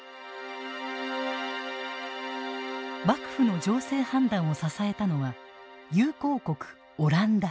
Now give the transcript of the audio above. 幕府の情勢判断を支えたのは友好国オランダ。